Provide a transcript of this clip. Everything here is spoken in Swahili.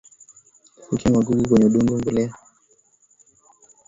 Fukia magugu kwenye udongo yawe mbolea